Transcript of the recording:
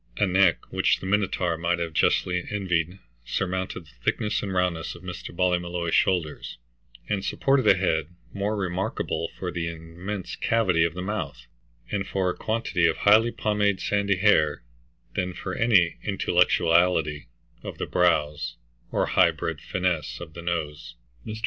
A neck which the Minotaur might have justly envied surmounted the thickness and roundness of Mr. Ballymolloy's shoulders, and supported a head more remarkable for the immense cavity of the mouth, and for a quantity of highly pomaded sandy hair, than for any intellectuality of the brows or high bred fineness of the nose. Mr.